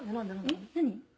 えっ何？